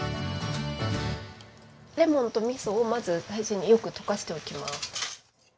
レモンとみそをまず最初によく溶かしておきます。